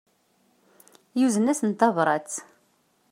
Yuzen-as-n tabrat.